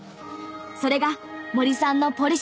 それが森さんのポリシーです。